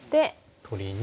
取りに。